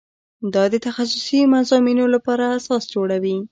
دا د تخصصي مضامینو لپاره اساس جوړوي.